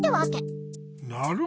なるほど。